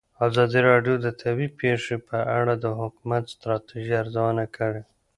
ازادي راډیو د طبیعي پېښې په اړه د حکومتي ستراتیژۍ ارزونه کړې.